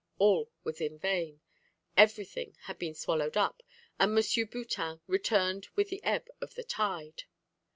All was in vain; everything had been swallowed up, and M. Boutin returned with the ebb of the tide.